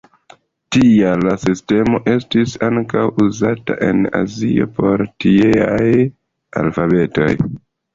Tial la sistemo estis ankaŭ uzata en azio por tieaj alfabetoj.